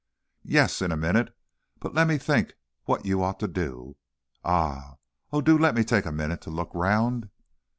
"Yes, in a minute, but let me think what you ought to do. And, oh, do let me take a minute to look round!"